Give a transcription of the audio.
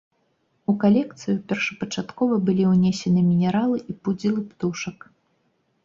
У калекцыю першапачаткова былі ўнесены мінералы і пудзілы птушак.